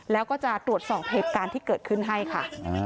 แล้วก็จะตรวจสอบเหตุการณ์ที่เกิดขึ้นให้ค่ะ